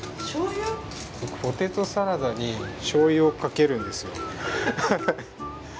ポテトサラダに醤油をかけるんですよ。